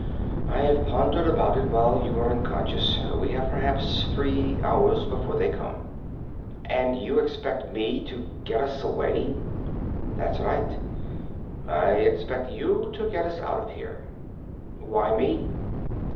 I've pondered about it while you were unconscious. We have perhaps three hours before they come." "And you expect me to get us away?" "That's right. I expect you to get us out of here." "Why me?"